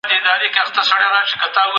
لومړنی نيول شوی کس بکا څيرېکيدزه و.